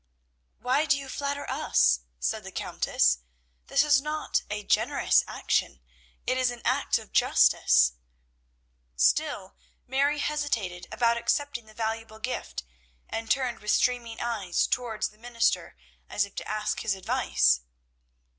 "Why do you flatter us?" said the Countess. "This is not a generous action, it is an act of justice." Still Mary hesitated about accepting the valuable gift, and turned with streaming eyes towards the minister, as if to ask his advice.